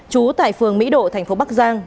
chú tại phường mỹ độ tp bắc giang